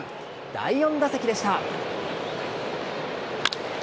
第４打席でした。